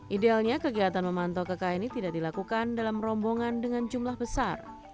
idealnya kegiatan memantau keka ini tidak dilakukan dalam rombongan dengan jumlah besar